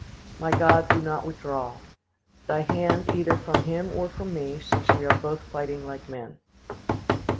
"My God, do not withdraw Thy hand either from him or from me, since we are both fighting like men!